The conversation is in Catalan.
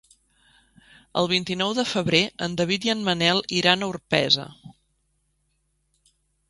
El vint-i-nou de febrer en David i en Manel iran a Orpesa.